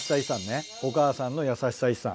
お母さんのやさしさ遺産。